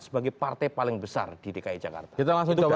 sebagai partai paling besar di dki jakarta